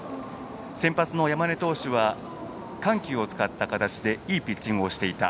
先発の山根投手は緩急を使っていいピッチングをしていた。